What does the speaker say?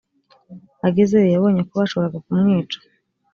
agezeyo yabonye ko bashoboraga kumwica